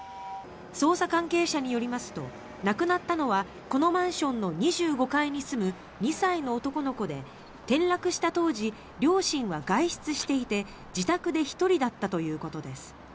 捜査関係者によりますと亡くなったのはこのマンションの２５階に住む２歳の男の子で転落した当時両親は外出していて自宅で１人だったということです。